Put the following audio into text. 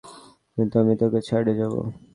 কিন্তু আমি তোকেও ছাড়িয়ে যাব।